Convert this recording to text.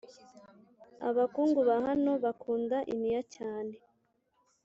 abakungu bahano bakunda imiya cyane